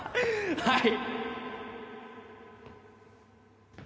はい